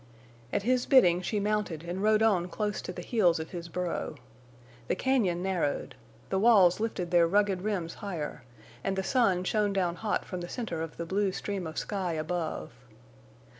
At his bidding she mounted and rode on close to the heels of his burro. The cañon narrowed; the walls lifted their rugged rims higher; and the sun shone down hot from the center of the blue stream of sky above.